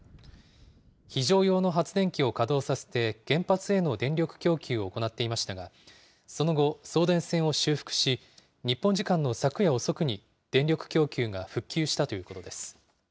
非常用の発電機を稼働させて原発への電力供給を行っていましたが、その後、送電線を修復し、日本時間の昨夜遅くに、電力供給が復旧したということです。